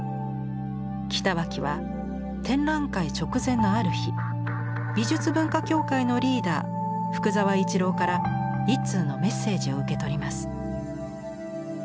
北脇は展覧会直前のある日美術文化協会のリーダー福沢一郎から一通のメッセージを受け取ります。